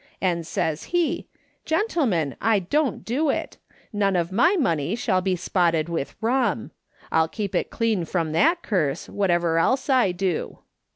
And says he, ' Gentlemen, I d(m't do it ; none of my money shall be spotted with rum. I'll keep it clean from that curse, whatever else I do.'